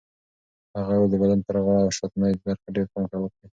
هغه وویل د بدن پر غاړه او شاتنۍ برخه ډېر پام وکړئ.